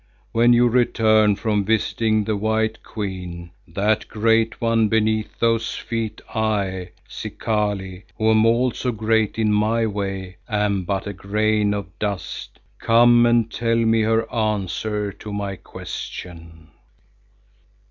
When you return from visiting the white Queen, that Great One beneath whose feet I, Zikali, who am also great in my way, am but a grain of dust, come and tell me her answer to my question.